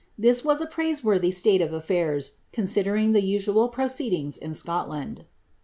This was a praiseworthy state of ai&irs, considering the usual proceedings in Scotland.